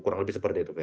kurang lebih seperti itu